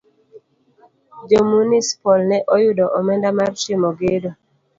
Jo munispol ne oyudo omenda mar timo gedo.